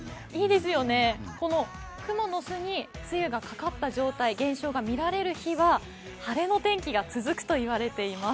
このくもの巣に露がかかった状態、現象が見られる日は晴れの天気が続くと言われています。